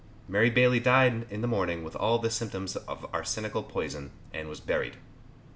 Mary Bailey died in the morning with all the symptoms of arsenical poison, and was buried.